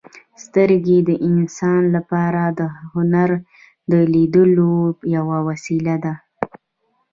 • سترګې د انسان لپاره د هنر د لیدلو یوه وسیله ده.